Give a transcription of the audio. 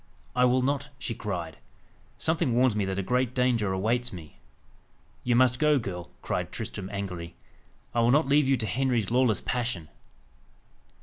"I will not!" she cried. "Something warns me that a great danger awaits me." "You must go, girl," cried Tristram angrily. "I will not leave you to Henry's lawless passion."